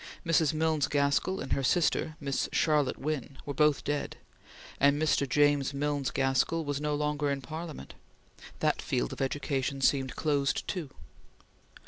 Mrs. Milnes Gaskell and her sister Miss Charlotte Wynn were both dead, and Mr. James Milnes Gaskell was no longer in Parliament. That field of education seemed closed too.